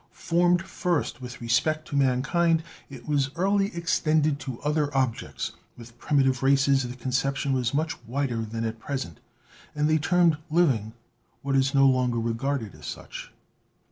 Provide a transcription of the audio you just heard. Formed first with respect to mankind, it was early extended to other objects. With primitive races, the conception was much wider than ?t present, and they termed living what is no longer re garded as such.